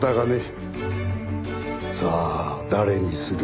さあ誰にする？